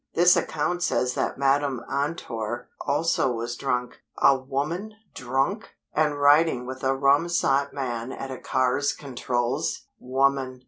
This account says that Madam Antor also was drunk. A woman drunk!! And riding with a rum sot man at a car's controls! _Woman!